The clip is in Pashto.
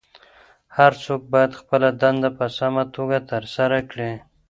هر څوک باید خپله دنده په سمه توګه ترسره کړي.